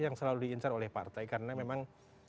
yang selalu diincar oleh partai karena memang